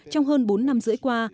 trong hơn bốn năm rưỡi qua